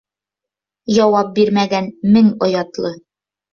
Яуап бирмәгән мең оятлы.